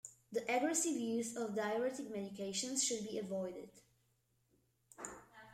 The aggressive use of diuretic medications should be avoided.